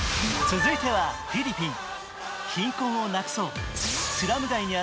続いてはフィリピン。